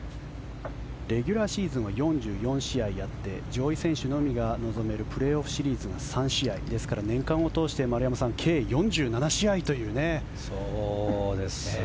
レギュラーシーズンは４４試合あって上位選手のみが臨めるプレーオフシリーズが３試合ですから年間を通して丸山さん計４７試合というね。